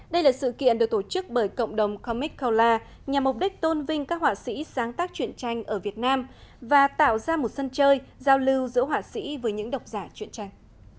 đây là sự kiện được tổ chức bởi cộng đồng commic cola nhằm mục đích tôn vinh các họa sĩ sáng tác chuyện tranh ở việt nam và tạo ra một sân chơi giao lưu giữa họa sĩ với những độc giả chuyện tranh